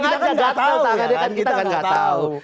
kita kan nggak tahu